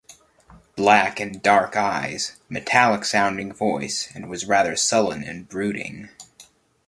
Black and dark eyes, metallic sounding voice and was rather sullen and brooding.